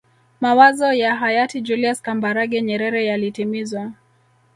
mawazo ya hayati julius kambarage nyerere yalitimizwa